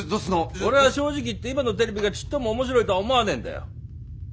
俺は正直言って今のテレビがちっとも面白いとは思わねえんだよ。